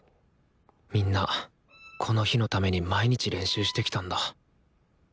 みんなこの日のために毎日練習してきたんだ。